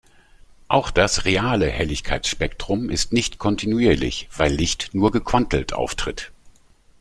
Auch das reale Helligkeitsspektrum ist nicht kontinuierlich, weil Licht nur gequantelt auftritt.